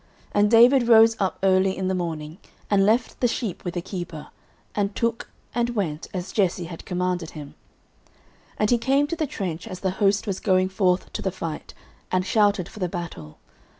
09:017:020 And David rose up early in the morning, and left the sheep with a keeper, and took, and went, as Jesse had commanded him; and he came to the trench, as the host was going forth to the fight, and shouted for the battle.